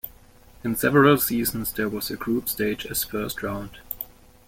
In several seasons, there was a group stage as first round.